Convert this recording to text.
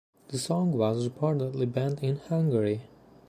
The song was reportedly banned in Hungary.